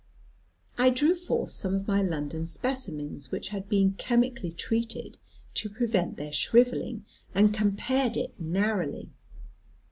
I drew forth some of my London specimens which had been chemically treated to prevent their shrivelling, and compared it narrowly.